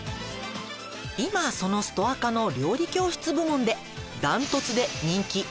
「今そのストアカの料理教室部門で断トツで」